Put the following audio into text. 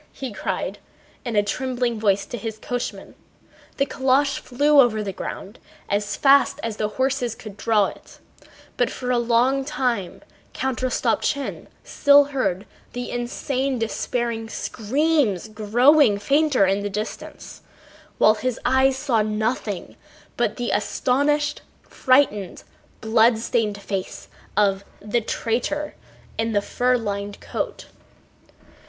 "Go fas... faster!" he cried in a trembling voice to his coachman. The calèche flew over the ground as fast as the horses could draw it, but for a long time Count Rostopchín still heard the insane despairing screams growing fainter in the distance, while his eyes saw nothing but the astonished, frightened, bloodstained face of "the traitor" in the fur lined coat.